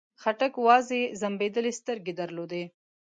خاټک وازې ځمبېدلې سترګې درلودې.